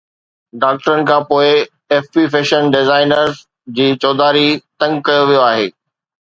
ڊاڪٽرن کان پوء، ايف بي فيشن ڊيزائنرز جي چوڌاري تنگ ڪيو ويو آهي